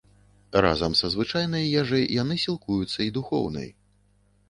Разам са звычайнай ежай яны сілкуюцца і духоўнай.